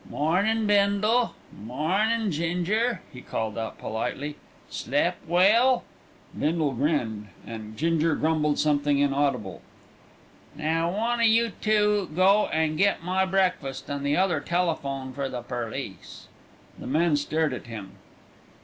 "Mornin', Bindle; mornin', Ginger," he called out politely. "Slep' well?" Bindle grinned, and Ginger grumbled something inaudible. "Now, one o' you two go an' get my breakfast, and the other telephone for the perlice." The men stared at him.